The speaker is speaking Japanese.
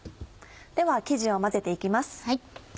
では生地を混ぜて行きます。